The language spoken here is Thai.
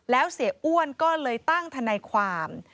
แล้วเสียอ้วนก็เลยตั้งทนายความ